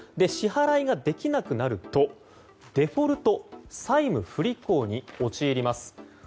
支払いができなくなるとデフォルト・債務不履行に陥ります。